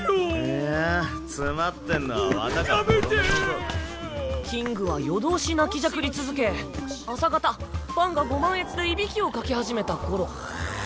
いや詰まってんのは綿かボロ布やめキングは夜通し泣きじゃくり続け朝方バンがご満悦でいびきをかきはじめたころぐわぁ！